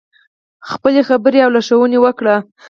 خپلې خبرې او لارښوونې وکړې.